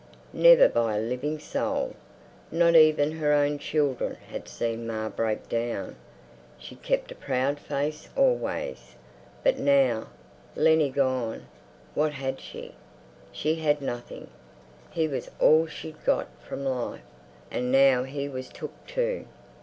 Never by a living soul. Not even her own children had seen Ma break down. She'd kept a proud face always. But now! Lennie gone—what had she? She had nothing. He was all she'd got from life, and now he was took too.